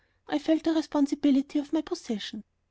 I felt the responsibility of my position.